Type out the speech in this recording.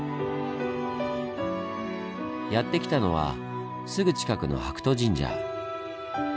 やって来たのはすぐ近くの白兎神社。